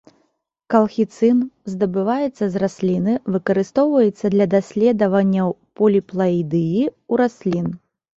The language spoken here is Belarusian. Калхіцын, здабываецца з расліны, выкарыстоўваецца для даследаванняў поліплаідыі ў раслін.